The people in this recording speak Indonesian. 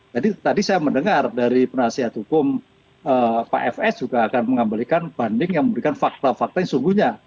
jadi tadi saya mendengar dari penasihat hukum pak fs juga akan mengambilkan banding yang memberikan fakta fakta yang sungguhnya